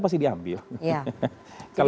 pasti diambil ya